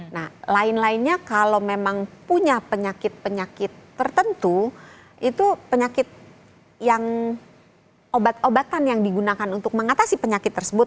nah lain lainnya kalau memang punya penyakit penyakit tertentu itu penyakit yang obat obatan yang digunakan untuk mengatasi penyakit tersebut